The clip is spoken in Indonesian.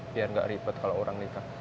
biar nggak ribet kalau orang nikah